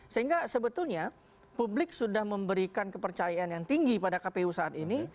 sehingga sebetulnya publik sudah memberikan kepercayaan yang tinggi pada kpu saat ini